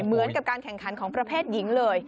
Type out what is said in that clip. เหมือนกับการแข่งขันของประเภทหญิงเลย